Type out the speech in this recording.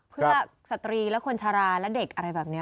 เพื่อสตรีและคนชาราและเด็กอะไรแบบนี้